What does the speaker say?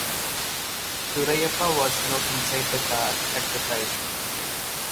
Duraiappah was not inside the car at the time.